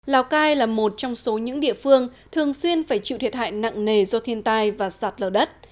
lào cai là một trong số những địa phương thường xuyên phải chịu thiệt hại nặng nề do thiên tai và sạt lở đất